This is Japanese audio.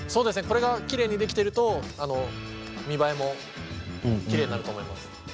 これがきれいにできてると見栄えもきれいになると思います。